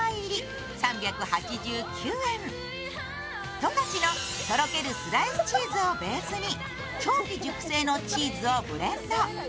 十勝のとろけるスライスチーズをベースに長期熟成のチーズをブレンド。